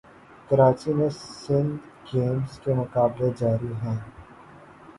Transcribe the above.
کراچی میں سندھ گیمز کے مقابلے جاری ہیں